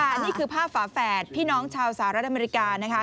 อันนี้คือภาพฝาแฝดพี่น้องชาวสหรัฐอเมริกานะคะ